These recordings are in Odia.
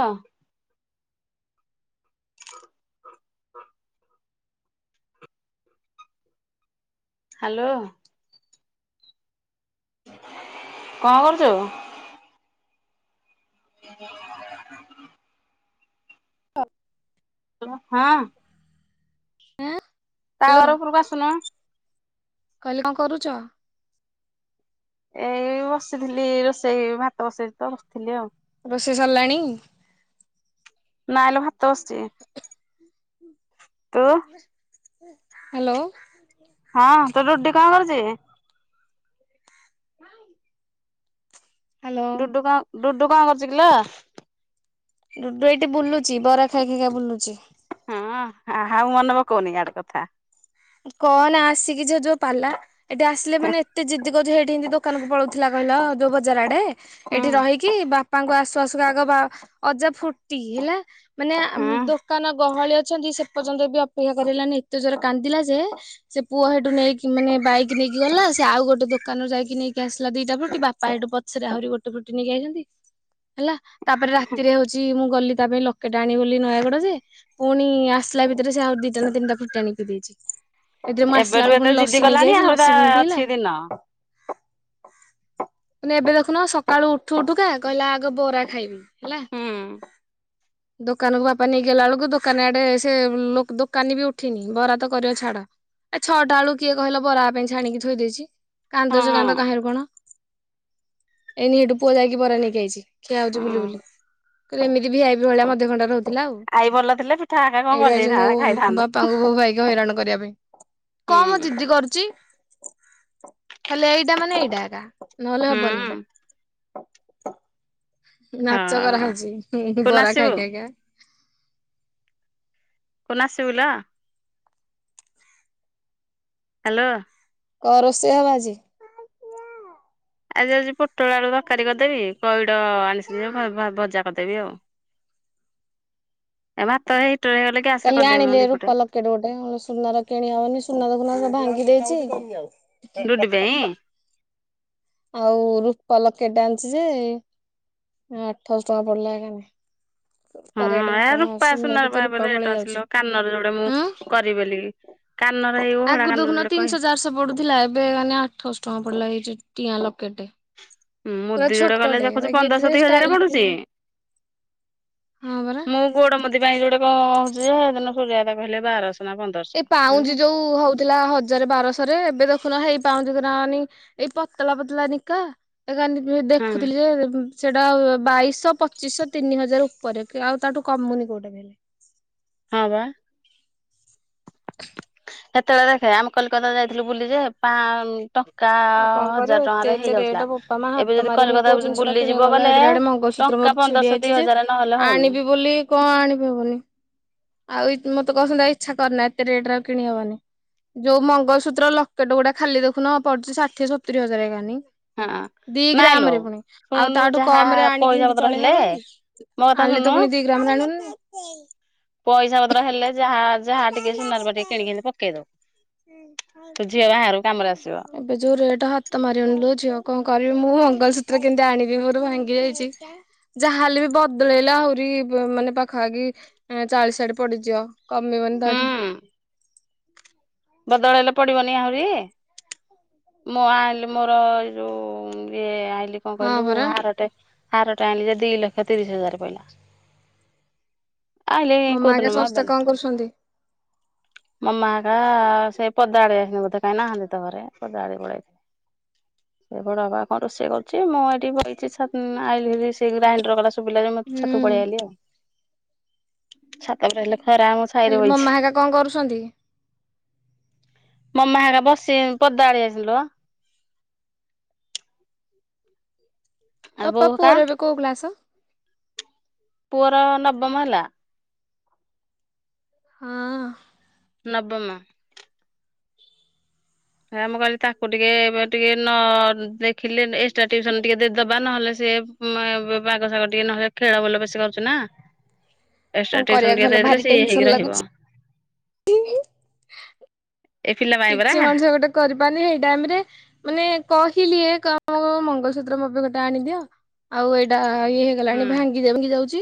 ହଁ। ହ୍ୟାଲୋ। କଣ କରୁଛୁ? [inaudible] ହ ହଁ। ଆଁ ଟୱାର ଉପରକୁ ଆସୁନୁ। କହିଲେ କଣ କରୁଚ? ଏଇ ବସିଥିଲି ରୋଷେଇ ଭାତ ବସେଇି ତ ବସିଥିଲି ଆଉ। ରୋଷେଇ ସରିଲାଣି? ନାଁଲେ ଭାତ ବସିଚି। ତୁ? ହ୍ୟାଲୋ। ହଁ ତୋ ରୁଟି କଣ କରୁଚ? ହଁ। ଡୁୁ କ ଡୁଡୁ କଣ କରୁଚ କିିଲୋ? ଡୁଡୁ ଏଇଠୀ ବୁଲୁଚି ବରା ଖାଇ ଖାଇ ଖ ବୁଲୁଚି। ହଁ ଆଉ ମନେପକୋଉନି ଆଡେ କଥା? କହନା ଆସିକି ଯଯୋଉ ପାଲା ଏଠି ଆସିଲେ ମାନେ ଏତେ ଜିଦି କହୁଛ ସେଇଠି ଏମିତି ଦୋକାନକୁ ପଳଉଥିଲା କହିଲ ଯୋଉ ବଜାର ଆଡେ ହୁଁ ଏଇଠି ରହିକି ବାପ ପାଙ୍କୁ ଆସୁ ଆସୁ ଆଗ ଅଜା ଫୁଟି ହେଲା ମାନେ ହୁଁ ଦୋକାନ ଗହଳି ଛନ୍ତି ସେ ପର୍ଯ୍ୟନ୍ତ ଏବେ ଅପେକ୍ଷା କରିଲାନି ଏତେ ଜୋରେ କାନ୍ଦିଲା ସେ ପୁଅ ସେଠୁ ନେଇକି ମାନେ ବାଇକ ନେଇକି ଗଲା ସେ ଆଉ ଗୋଟେ ଦୋକାନରୁ ଯାଇକି ନେଇକି ଆସିଲା ଦିଟା ପ ବାପା ଏଠୁ ପଛରେ ଆହୁରି ଗୋଟେ ଫୁଟି ନେଇକି ଆଇଚନ୍ତି ହେଲା ତାପରେ ରାତିରେ ହଉଛି ମୁଁ ଗଲି ତା ପାଇଁ ଲୋକେଟା ଆଣିବ ବୋଲି ନୟାଗଡ ଯେ ପୁଣି ଆସିଲା ଭିତରେ ସେ ଆଉ ଦିଟା ନା ତିନିଟା ଫୁଟି ଆଣିକି ଦେଇ ଏଥିରେ ମୁଁ ଆସିଲା ଏବେଠୁ ବେଳକୁ ଏତେ ପୁଣି ଜିଦି ଲସି ନେଇକି କଲାଣି ଆଇଚି ଆହୁରି ତା ଲସି ପୁଣି ପିଇଲା। ଅଛି ଦିନ। ଏବେ ଦେଖୁନ ସକାଳୁ ଉଠୁ ଉଠୁକା କହିଲା ଆଗ ବରା ଖାଇବି। ହେଲା। ହୁଁ ଦୋକାନକୁ ବାପା ନେଇ ଗଲା ବେଳକୁ ଦୋକାନ ଆଡେ ସେ ଦୋକାନୀ ବି ଉଠିନି ବରା ତ କରିବ ଛାଡ। ଏ ଛଅଟା ବେଳକୁ କିଏ କହିଲ ବରା ପାଇଁ ଛାଣିକି ଥୋଇ ଦେଇଚି ହଁ କାନ୍ଦ ଯୋ କାନ୍ଦ ହଁ। କାହିଁଣ କଣ। ଏନି ସେଠୁ ପୁଅ ଯାଇକି ବରା ନେଇକି ଆଇଚି ଖିଆ ହୋଉଚି ବୁଲି ବୁଲି। କ ଏମିତି ଭି ଆ ପି ଭଳିଆ [unintelligible] ଥିଲା ଆଉ ଆଈ ଭଲ ଥିଲେ ପିଠା ହେକା କଣ ଏଇଠା ଆଜି ମୋ କରିଦେଇଥାନ୍ତା ଖାଇଥାନ୍ତୁ। ବାପାଙ୍କୁ ବୋଉ ଭାଇକ ହଇରାଣ କରିବା ପାଇଁ। ହୁଁ କମ ଜିଦି କରୁଚି ଖାଲି ଏଇଟା ମାନେ ଏଇଟା। ନହେଲେ ହୁଁ ହବନି। ନାଚ ହଁ। କରାହଉଚି କୋଉଦିନ ବରା ଆସିବୁ ଖାଇ ଖାଇକା। ନା [unintelligible] ହ୍ୟାଲୋ। କଣ ରୋଷେଇ ହେବ ଆଜି? ଆଜି ଯାଉଚି ପୋଟଳ ଆଳୁ ତରକାରୀ କରିଦେବି ପଇଡ଼ ଆଣିଚନ୍ତି ଯେ ଭ ଭଜା କରିଦେବି ଆ ହଁ। ଏମାନ ତ ଏ ହେଇଗଲେ ଗ୍ୟାସ ରେ କାଲି କରିଦେବି ମ ଆଣିଲେ ଦିପଟେ ରୂପା ଲକେଟ ଗୋଟେ ସୁନାର କିଣି ହବନି ସୁନା ଭା ଭାଙ୍ଗି ଦେଇଚି ଡୁଡି ପାଇଁ ଆଉ ରୂପ ଲକ୍ କେଟାଣିଛି ଯେ ଆଠଶହ ଟଙ୍କା ପଡିଲା କାନ ପରାଟ ବାପା ସୁଣନାକୁ ତ ରେଟ ପଳେଇ ଯାଉଛି। ଅ କାନରେ ଯୋଉଟା ମୁଁ ଆଁ କରିିବେଲି ଆଗରୁ ଦେଖୁନ ତିନିଶହ ଚାରିଶହ ପଡୁଥିଲା ଏବେ ମାନେ ଆଠଶ ଟଙ୍କା ପଡିଲା ଏଇି ଚଛୁଟିଆ ଲୋକେଟେ। ମୁଦି ଯୋଡ ଗଲେ ଦେଖୁଛି ଏଥିରେ ପନ୍ଦରଶତ ହଜାର ଷ୍ଟାଇଲ ଟା ପଡୁଛି। ହଁ ପରା ମୁଁ ଗୋଡ ମୁଦି ପାଇଁ ଯୋଉଟେ କଣ କହୁଛିଦିନ ସୂର୍ଯଦା କହିଲେ ବାରଶହ। ନା ପନ୍ଦରଶହ। ଏ ଆଲୋ ପାଉଁଜି ଯୋଉ ହଉଥିଲା ହଜାର ବାରଶହରେ ଏବେ ଦେଖୁନ ହେଇ ପାଉଁଜି କି ନା ଏଇ ପତଳା ପତଲା ନିକା ଏ କ ହଁ ଦେଖୁଥିଲି ଯେ ସେଟା ବାଇଶ ପଚିଶ ତିନି ହଜାର ଉପରେ ଆଉ ତାଠୁ କମୁନି କୋଉଟାଲେ। ହଁ ବା। ସେତେବେଳେ ଦେଖେ ଆମେ କଲିକତା ଯାଇଥିଲୁ ବୁଲିି ଯେ ପା ଟଙ୍କା ଆଉ କଣ କରିବୁ ହଜାର ଏତେ ଟଙ୍କାରେ ଏତେ ରେଟ୍ ହେଇଯାଉଥିଲା ବୋପା ମା ହାତ ଏବେ ଯଦି କଲିକତା ବୁଲିଯିବ ବଲେ ଚିତ୍ର ମୋର ଛିଡି ଯଇଛି ଯେ ଆଣିବି ବୋଲି କଣ ଆଣିବି ହବନି ଆଉ ମୁଁତ କହୁଛନ୍ତି ଇଚ୍ଛା କରନ ଏତେ ରେଟ୍ ଆଉ କିଣିହବନି। ଯୋଉ ମଙ୍ଗଳସୂତ୍ର ଲକେଟ ଗୋଟେ ଖାଲି ଦେଖୁନ ପଡୁଛି ଷାଠିଏ ସତୁରି ହଜାରାାନଁ। ହଁ। ଦି ଗ୍ରାମ ନାଇଁଲୋ ରେ ପୁଣି ଆଉ ଶୁଣୁନୁ ତାଠୁ ଯାହା କମ ରେ ଆଣିକି ପଇସା ଏମତି ପତ୍ର ହେଲେ ଚଳେଇହବ କି ମୋ କଥା ଆଣିଲେ ଶୁଣୁନୁ ତ ପୁଣି ଦି ଗ୍ରାମ ଜଣ ପଇସା ପତ୍ର ହେଲେ ଯାହା ଯାହା ଟିକେ ସୁନାର ବା ଟିକେ କିଣିକି ପକେଇ ଦଉ। ଆସିବ ଏବେ ଯୋଉ ରେଟ ହାତ ମାରି ଆଣିଲୁ ଝିଅ। କଣ କରିବି ମୁଁ ମଙ୍ଗଲସୂତ୍ର କେମତି ଆଣିବି ମୋର ଭାଙ୍ଗି ଯାଇଛି। ଯାହାହେଲେ ବି ବଦଳେଇଲେ ଆହୁରି ମାନେ ପାଖାପାଖି ଚାଳିଶାଡେ ପଡିଯିବ। ଆମେମାନେ ହୁଁ ଦଠ ବଦଳେଇଲେ ପଡିବନି ଆହୁରି ମୁଁ ଆଣିଲ ମୋର ଏଇ ଯୋଉ ଇଏ ଆଇିଲି କଣ ହଁ କହିଲୁ ପରା। ହାରଟେ ହାର ଟା ଆଣିଲ ଯେ ଦି ଲକ୍ଷ ତିରିଶ ହଜାର ପଇଲା। ଆହଲେ ମାମା ହେକା କଦନ ମା ସମସ୍ତେ କଣ ବାନ କରୁଛନ୍ତି? ମମାକା ହଁ ସେ ପଦା ଆଡେ ଆସି ବୋଧେ କାହିଁ ନାହାନ୍ତି ତ ଘରେ ପଦା ଆଡ ପଳେଇ ସେ ହଣ ବା ହଁ ରୋଷେଇ କରୁଛି ମୁଁ ଏଇଠି ବଛି ସେ ଗ୍ରାଇଣ୍ଡର କଲା ଶୁିଲାରେ ମୁଁ ଛାତୁ ହୁଁ ପଳେଇ ଆଲିି ଆଉ। ଛାତ ଉପରେ ହେଲେ ଖରା ଆମ ସାହିରେ ହେଲେ ବଇଛି। ମାମା ହେକା କଣ କରୁଛନ୍ତି? ମାମା ହୋ ବସି ପଦା ଆସିଲେ। ଆଉ ଅପା ବୋଉ ପୁଅ ହେକା ର ଏବେ କୋଉ କ୍ଲାସ୍? ପୁରର ନବମ ହେଲା। ହଁ। ନବମ। ଆମେ କହିଲି ତାକୁ ଟିକେ ଟିକେ ନ ଦେଖିଲେ ଏକ୍ସଟ୍ରା ଟଟିୁସନ ଟିକେଦବା ନହେଲେ ସେ ବାାଗ ଶାଗ ଟିକେ ନହ ଖେଳ ବୁଲ ବେଶୀ କରୁଛୁ ନା। ଏକ୍ସଟ୍ରା କଣ ଟିଉସନ କରିବାକୁ ଟିକେ ଭଲ ଦେଇଦେଲେ ଭାରି ସିଏ ଇଏ ହେଇକି ଟେନସନ ରହିବ। ଲାଗୁଛି। ଏ ପିଲା ପାଇଁ କିଛି ପରା। ମଣିଷ ଗୋଟେ କରିପାରୁନି ସେଇ ଟାଇମ ରେ ମାନେ କ ି କ ମଙ୍ଗଳସୂତ୍ର ମପଙ୍ଗଟା ଆଣିଦିଅ ଆଉ ଏଇଟା ଆଉ ଇ ହେଇଗଲାଣି ହୁଁ ଭାଙ୍ଗି ଯାଉଛି।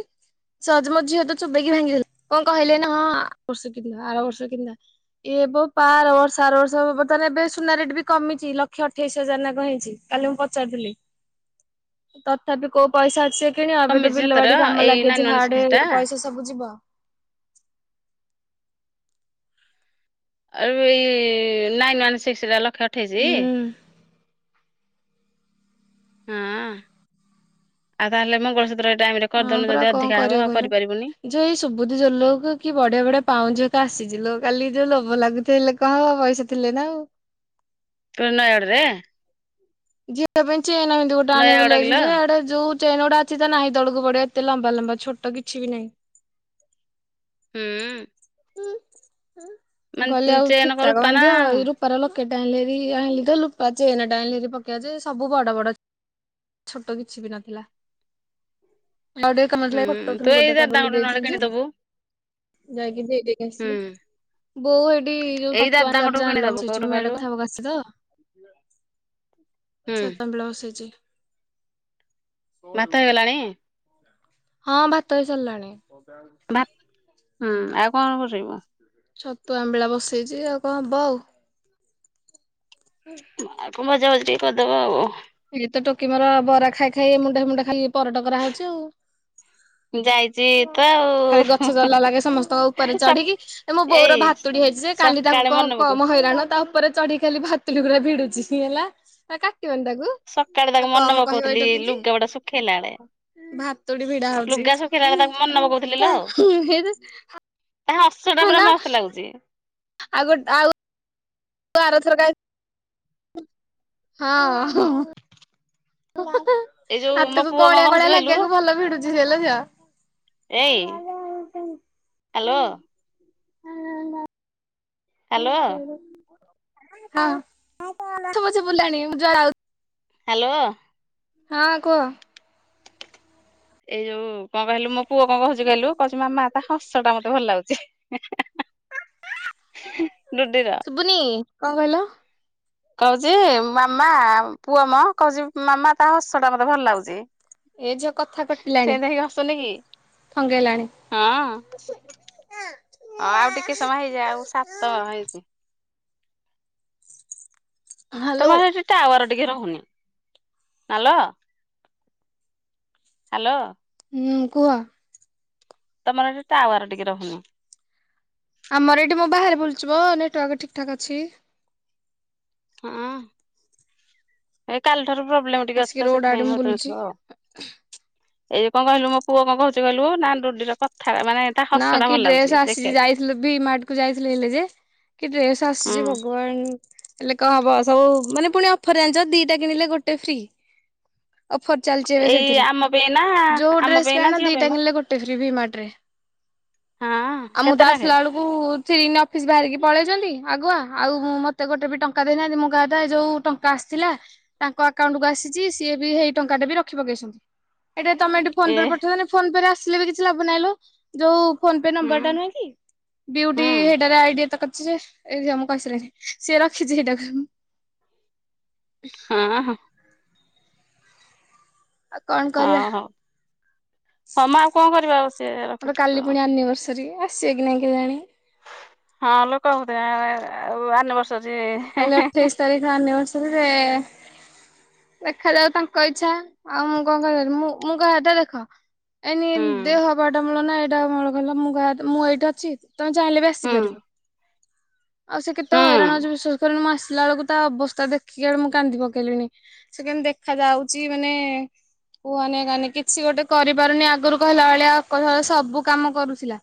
ସଜମ ଝିଅ ତ ଚୋବେଇକି ଭାଙ୍ଗିଲା କଣ କହିଲେ ନାଁ ଆର ବର୍ଷ କିନ୍ ଆର ବର୍ଷ କିନ୍ ଦବା। ଏବ ପାର ବର୍ଷ ସାର ବର୍ଷ ବର୍ତ୍ତମାନ ଏବେ ସୁନା ଟ ବି କମିଛି ଲକ୍ଷ ଅଠେଇଶ ହଜାର ନଙ୍କ ହେଇଛି କାଲି ମୁଁ ପଚାରଥିଲି। ତଥାପି କୋଉ ପଇସା ଅଛି ଯେ କିଣି ଏବେ ତ କମିଛି ବିଲ ସତର ବାଡି କାମ ଏଇ ଲାଗେଛି ନାଇନ ୱାନ ହାଡେ ସିକ୍ସ ଟା ପଇସା ସବୁ ଯିବ। ଆରୁ ଏଇ ନାଇନ୍ ୱନ୍ ସିକ୍ସରେ ଲକ୍ଷେ ଅଠେଇଶ। ହୁଁ। ହଁ ଆଉ ତାହାଲେ ମଗଳସୁତ୍ର ହଁ ପରା କଣ କରିବା କହିଲ ଯୋଉ ଏଇ ସୁବୁଧି ଜୁଏଲର କୁ କି ବଢିଆ ବଢିଆ ପାଉଁଜି ଆସିଚି ଲୋ କାଲି ଯୋଉ ଲୋଭ ଲାଗୁ ଥାଏ ହେଲେ ପଇଷା ଥିଲେ ନା ଆଉ। [unintelligible] ଝିଅଟା ପାଇଁ ଚେନ୍ ଏମିତି ଗୋଟେ ଆଣିବି ନୟାଗଡ ବୋଲି କିଲୋ ଯାଇଥିଲି ହେଟେ ଯୋଉ ଚେ୍ନ ଉଡା ଅଛି ତା ନାହି ତଳକୁ ପଡିବ ଏତେ ଲମ୍ବା ଲମ୍ବା ଛୋଟ କିଛି ବି ନାହିଁ। ହୁଁ। ଗଲେ ମାନେ ଆଉ ଚେନ ଫିତା କରୁ ପାନା ବାନ୍ଧିବ ଏଇ ରୂପାର ଲ କେଟ ଆଇଁଲିଭାରି ଆଇଁଲି ତ ରୁପା ଚେନ୍ ଟେ ଆଣିଲିହାରି ପକେଇବ ଯେ ସବୁ ବଡ ବଡ ଛୋଟ କିଛି ବି ନଥିଲା‌। ଆଉ ଟିକେ କାମଥିଲା ଯେ ଫଟୋ ହୁଁ ତୁ ଫ୍ରେମେ ଏଇ ଗୋଟେ କରିବି ବୋଲି ଦାଦାଙ୍କଠୁ ନହେଲେ ଦେଇଥିଲି ଯେ କିଣିଦବୁ ଯାଇକି ଦେଇକି ହୁଁ ବୋଉ ଏଠି ଯୋଉ ଏଇ ଛତୁ ଆଣିଲା ଦାଦାଙ୍କଠୁ ପରେ କିଣିଦବୁ କୋଉଠୁ [unintelligible] ମୁଁ ଏଡେ କହିଲୁ କଥା ହେବାକୁ ଆସିଚି ତ ହୁଁ ଛତୁ ଆମ୍ବିଳ ବସେଇଚି। ଭାତ ହେଇଗଲାଣି? ହଁ ଭାତ ହେଇସାରିଲାଣି। ଭା ହୁଁ ଆଉ କଣ କରିବ? ଛତୁ ଆମ୍ବିଳା ବସେଇଚି ଆଉ କଣ ହବ ଆଉ। ଆଉ କଣ ଭଜା ଭିଜ ଟିକେ କରିଦବ ଆଉ। ଏଇ ତ ଟୋକି ମୋର ବରା ଖାଇ ଖାଇ ମୁଣ୍ଡା ମୁଣ୍ଡା ଖାଇ [unintelligible] ପରଟା କରା ହୋଉଚି ଆଉ। ଯାଇଛି ତ ଖାଲି ଗଛ ଚଢିଲା ଲାଗେ ସମସ୍ତଙ୍କ ଉପରେ ଆଉ ଚଢିକି ଏ ମୋ ବୋଉର ଏଇ ଭାତୁ ପଡି ଯାଇଚି ଯେ କାଲି ତାକୁ ସକାଳେ କ- ମନେ ପକଉ କମ ହଇରାଣ ତା ଉପରେ ଚଢି ଖାଲି ଭାତୁଡି ଗୁଡା ଭିଡୁଚି ହେଲା କାଟିବନି ତାକୁ ସକାଳେ ଆଉ ତାକୁ ମନେ କମ କହିବ ଏଇ ପକୋଉଥିଲି ଟୋକିକି। ଲୁଗାଗୁଡା ଶୁଖେଇଲା ବେଳେ। ଭାତୁଡି ଭିଡା ହୋଉଚି। ଲୁଗା ଶୁଖେଇଲା ବେଳେ ତାକୁ ମନେ ପକଉଥିଲି ଲୋ ତା ହସ ଟା ପୁରା ମସ୍ତ ଲାଗୁଚି। ଆଉ ଗୋଟେ ଆଉ ଏ ଆର ଥରକ ଆଇ ହଁ। [unintelligible] ଏଇ ଯୋଉ ମୋ ହାତକୁ ପୁଅ କଣ କ‌ଅଁଳିଆ କହୁଛି କ‌ଅଁଳିଆ କହିଲୁ ଲାଗିବାକୁ ଭଲ ଭିଡୁଚି ସେ ଲୋ ଝିଅ। ଏଇ ହାଲୋ। [unintelligible] ହ୍ୟାଲୋ ହଁ ପଛେ ପଛେ ବୁଲାଣି ମୁଁ ଯୁଆଡେ ହାଲୋ। ହଁ କୁହ। ଏଇ ଯୋଉ କଣ କହିଲୁ ମୋ ପୁଅ କଣ କହୁଚି କହିଲୁ କହୁଚି ମାମା ତା ହସ ଟା ମତେ ଭଲ ଲାଗୁଚି। ହେଁ ‌ [unintelligible] ଶୁବୁନି କଣ କହିଲ? କହୁଚି ମାମା ପୁଅମ କହୁଚି ମାମା ତା ହସ ଟା ମତେ ଭଲ ଲାଗୁଚି। ଏ ଯୋ କଥା କଟିଲାଣି। ହସୁନି କି ଥଙ୍ଗେଇଲାଣି। ହଁ ଆଉ ଟିକେ ସମୟ ହେଇଯା ଆଉ ସାତ ହେଇଚି। ହାଲୋ ତମର ହେଟି ଟାୱାର ଟିକେ ରହୁନି ହାଲୋ। ହାଲୋ। ହୁଁ କୁହ। ତମର ହେଟି ଟାୱାର ଟିକେ ରହୁନି। ଆମର ଏଇଠି ମୋ ବାହାରେ ବୁଲିଚି ପା ନେଟୱାର୍କ ଠିକ ଠାକ୍ ଅଛି। ହଁ ଏ କାଲି ଠାରୁ ପ୍ରୋବ୍ଲେମ ଟିକେ ଅଛି ଆସିକି ତ ରୋଡ ଆଡେ ସେଥିପାଇଁ ମୁଁ ହୋଉଥିବ ବୁଲୁଚି। [unintelligible] ଆଉ। ଏଇ କଣ କହିଲୁ ମୋ ପୁଅ କୋହୁଚି କହିଲୁ ନା ଡୁଡିର କଥା ମାନେ ତା ନା ହସ ଟା କି ଭଲ ଲାଗୁଛି ଡ୍ରେସ ଆସିଚି ଦେଖିବାକୁ। ଯାଇଥିଲ ଭିମାଟକୁ ଯାଇଥିଲେ ହେଲେ ଯେ କି ଡ୍ରେସ୍ ଆସିଚି ହୁଁ ଭଗବାନ ହେଲେ କଣ ହବ ସବୁ ମାନେ ପୁଣି ଅଫର ଜାଣିଚ ଦିଇଟା କିଣିଲେ ଗୋଟେ ଫ୍ରି। ଅଫର ଚାଲିଛି ଏବେ ଏଇ ସେଥିରେ ଆମ ପାଇଁ ନା ଯୋଉଁ ଆମ ପାଇଁ ଡ୍ରେସ ପା ନା ଝିଅ ପାଇଁ ଦି'ଟା ମ କିଣିଲେ ଗୋଟେ ଭି-ମାର୍ଟ ରେ। ହଁ ଆଉ ମୁଁ କେତେ ତ ନାଖେ ଆସିଲା ବେଳକୁ ସେ ଅଫିସ ବାହାରିକି ପଳେଇ ଆଉ ଆଗୁଆ ଆଉ ମତେ ଗୋଟେ ବି ଟଙ୍କା ଦେଇନାହାନ୍ତି ମୁଁ କହିବା କଥା ଯୋଉଁ ଟଙ୍କା ଆସିଥିଲା ତାଙ୍କ ଆକାଉଣ୍ଟ ଆସିଛି ସିଏ ବି ହେଇ ଟଙ୍କା ଟା ବି ରଖି ପକେଇଛନ୍ତି। ଏଇଟା ତମେ ଏଠି ଫୋନ ଏ ପେ ରେ ପଠେଇଦ ଫୋନ ପେରେ ଆସିଲେ ବି କିଛି ଲାଭ ନାହିଁଲୋ ଯୋଉଁ ଫୋ ପେ ହୁଁ ନମ୍ବର ଟା ନୁହେଁ କି ବିୟୁଟି ହୁଁ ହେଇଟା ରେ ଆଇଡି ଯେ ଏ ମୁଁ କହିସିଲଣିି ସିଏ ରଖିଛି ହେଟାକୁ। ବ ହଁ ହଁ ଆଉ କଣ କରିବା। ହଉ ହଁ ମ ଆଉ କଣ କରିବା ଆଉ ସିଏ ମୋର ରଖିଛି ତ କାଲି ପୁଣି ଆନିଭର୍ସରୀ ଆସିବେ କି ନାଇଁ କେୟାଣି। ହଁ ଲୋକ ହଉଥିଲେ ଆନବର୍ସ କାଲି ଅଠେଇଶି ତାରିଖ ଅନିବର୍ଷରିରେ। ଦେଖାଯାଉ ତାଙ୍କ ଇଚ୍ଛା ଆଉ ମୁଁ କଣ କରି ମୁଁ କହିବା କଥା ଦେଖ ଏଇନି ହୁଁ ଦେହ ହବା ଏଟା ମୂଳ ନା ଏଇଟା ମୂଳ କହିଲ। ମୁଁ ଏଇଠି ଅଛି। ତମେ ଚାହିଁଲେ ବି ହୁଁ ଆସିପାରିବ। ଆଉ ସେ କେତେ ହୁଁ ହଇରାଣ ହେଉଚି ବି ମୁଁ ଆସିଲା ବେଳକୁ ତା ଅବସ୍ଥା ଦେଖିକି ବଡ ମୁଁ କାନ୍ଦି ପକେଇଲିଣି ସେ କେମତି ଦେଖା ଯାଉଛି ମାନେ କୁହନି କୁହନି କିଛି ଗୋଟେ କରିପାରୁନି ଆଗରୁ କହିଲା ଭଳିଆ କହିଲା ସବୁ କାମ କରୁଥିଲା।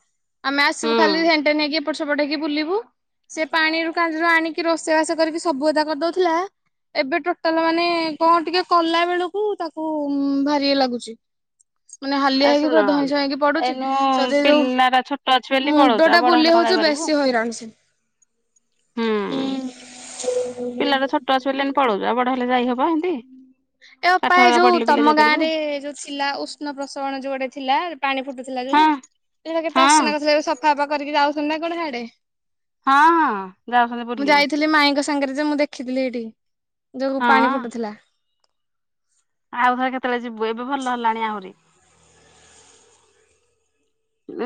ଆମେ ଆସିବୁ ଖାଲି ହୁଁ। ହେଣ୍ଟେନକି ଏପଟ ସେପଟ ହେକି ବୁଲିବୁ ସେ ପାଣିରୁ କାରୁ ଆଣିକି କି ରୋଷେଇବାସ କରିକି ସବୁ ଅଦା କରିଦଉଥିଲା। ଏବେ ଟୋଟାଲ ମାନେ କଣ ଟିକେ କଲା ବେଳକୁ ତାକୁ ଭାରି ଇଏ ଲାଗୁଛି। ମାନେ ହାଲିଆ ଆ ହେଇକି ଶୁଣ ପୁରା ଧଇଁ ସଇଁକି ପଡୁଛି ଏଇନୁ ସହଜେ ଯୋଉଁ ପିଲାଟା ଛୋଟ ଅଛି ବୋଲି ମୁଣ୍ଡ ପଳଉଛୁ ଆଉ ଟା ବଡ ହେଲେ ବୁଲେଈ କଣ ହଉଛି। ଯାଇପାରିବୁ। ବେଶି ହଇରାଣ। ହୁଁ ପିଲାଟା ଛୋଟ ଅଛି ବୋଲି ଏଇନା ପଳଉଛୁ ବଡ ହେଲେ ଯାଇ ହବ ଏମିତି ପାଠ ଏପାୟ ଯୋଉଁ ପଢିଲେ ପିଲା ତମ ଗାଁ ଯାଇପାରିବୁ। ରେ ଯୋଉଁ ଥିଲା ଉଷ୍ଣ ପ୍ରସଣ ଯୋଉଁ ଗୋଟେ ଥିଲା ପାଣି ଫୁଟୁ ଥିଲା ହଁ ଯୋଉଁ ହଁ କେତେ ଅସନା କରିଥିଲା ସଫା ପଫା କରିକି ଯାଉଛନ୍ତି ନା କଣ ହିଆଡ଼େ। ହଁ ହଁ ଯାଉଛନ୍ତି ବୁଲି। ଯାଇଥିଲି ମାଇଁଙ୍କ ସାଙ୍ଗରେ ଯେ ମୁଁ ଦେଖିଥିଲି ଏଇଠି ଯୋଉଁ ପାଣି ଫୁଟୁଥିଲା। ଆଉଥରେ କେତେବେଳେ ଯିବୁ ଏବେ ଭଲ ହେଲାଣି ଆହୁରି।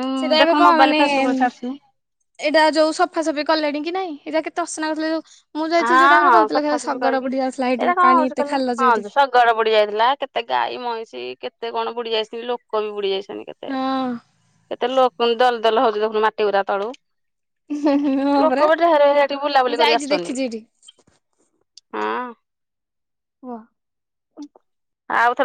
ଉଁ ସେଇଟା ଏବେ ଦେଖୁନୁ କଣ ମୋବାଇଲ ମାନେ ଫେସବୁକରେ ଛାଡୁଛି ଏଇଟା ଯୋଉ ସଫାସଫି କଲେଣି କି ନାଇଁ ଏଇଟା କେତେ ଅସନା ହେଉଥିଲା ଯୋଉଁ ମୁଁ ଯାଇଥିଲି ଯଉଁ ଟାଇମ ରେ ହଁ କହୁଥିଲ ସଫାସଫି ଶଗଡ଼ କରିକି ବୁଡିଆ ଆସଥିଲା ତ। ଏଇଟା କଣ ହଉଛି କହିଲ ହଁ ଶଗଡ ବୁଡି ଯାଇଥିଲା କେତେ ଗାଈ ମଇଁଷି କେତେ କେତେ କଣ ବୁଡି ଯାଇଛନ୍ତି ଲୋକ ବି ବୁଡି ଯାଇଛନ୍ତି କେତେ ହଁ କେତେ ଲୋକ ଦ ଲ ହଉଛି ଦେଖନୁ ମାଟି ଗୁରା ତଳୁ ହଁ ପରା ଲୋକ ବି ଢ଼େରେ ମୁଁ ବୁଲାବୁଲି କରି ଯାଇଛି ଆସୁଛନ୍ତି। ଦେଖିଛି ଏଇଠି। ହଁ ହୁ ଆଉ ଥରେ